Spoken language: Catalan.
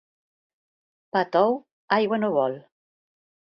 Pa tou aigua no vol.